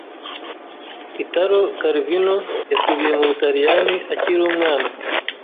Italo Calvino yasubiye mu Butaliyani akiri umwana.